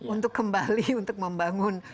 untuk kembali untuk membangun